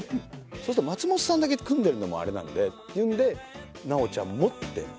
そうすると松本さんだけ組んでるのもあれなんでっていうんで直ちゃんもって。